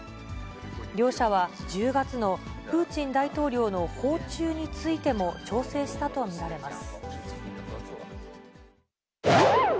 両者は１０月のプーチン大統領の訪中についても、調整したと見られます。